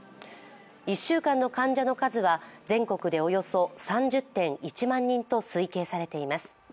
１週間の患者の数は全国でおよそ３０．１万人と推計されています。